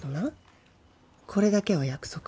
これだけは約束や。